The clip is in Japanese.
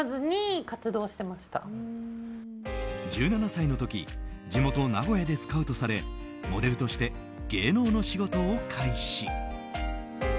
１７歳の時地元、名古屋でスカウトされモデルとして芸能の仕事を開始。